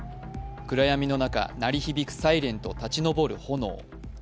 暗闇の中鳴り響くサイレンと立ち上る炎。